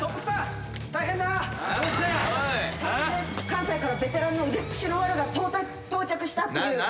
関西からベテランの腕っ節のワルがとうた到着したっていう。